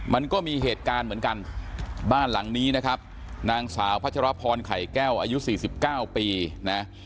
มันก็มีเหตุการณ์เหมือนกันบ้านหลังนี้นะครับนางสาวพัชรพรไข่แก้วอายุ๔๙ปีนะ